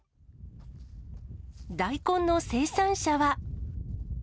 大根の生産者は。